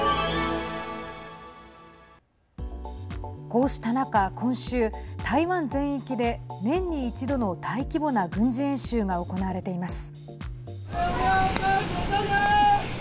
こうした中、今週台湾全域で、年に一度の大規模な軍事演習が行われています。